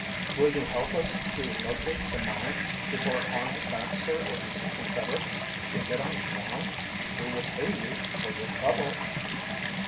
"It will you help us to locate the mine before Arnold Baxter or his confederates can get on the ground? We will pay you for your trouble."